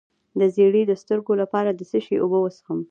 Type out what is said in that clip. د زیړي د سترګو لپاره د څه شي اوبه وڅښم؟